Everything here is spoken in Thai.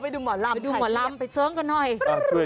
ไปดูหมอลำไปดูหมอลำไปเสิร์งกันหน่อย